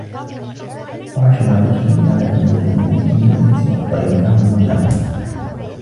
وَحُشِرَ لِسُلَيْمَانَ جُنُودُهُ مِنَ الْجِنِّ وَالْإِنْسِ وَالطَّيْرِ فَهُمْ يُوزَعُونَ